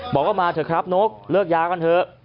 บอกว่ามาเถอะครับนกเลิกยากันเถอะ